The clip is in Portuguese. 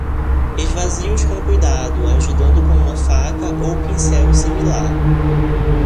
Esvazie-os com cuidado, ajudando com uma faca ou pincel similar.